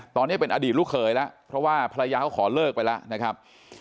ตอนนี้เป็นอดีตลูกเขยแล้วเพราะว่าภรรยาเขาขอเลิกไปแล้วนะครับ